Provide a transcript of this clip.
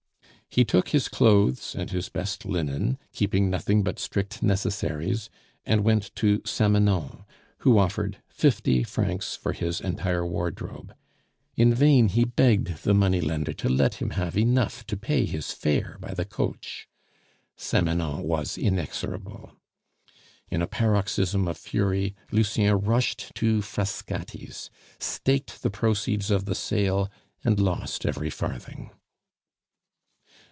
He took his clothes and his best linen, keeping nothing but strict necessaries, and went to Samanon, who offered fifty francs for his entire wardrobe. In vain he begged the money lender to let him have enough to pay his fare by the coach; Samanon was inexorable. In a paroxysm of fury, Lucien rushed to Frascati's, staked the proceeds of the sale, and lost every farthing.